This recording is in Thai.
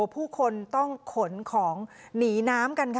ผู้คนต้องขนของหนีน้ำกันค่ะ